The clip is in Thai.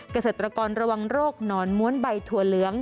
เกษตรกรระวังโรคหนอนม้วนใบถั่วเหลือง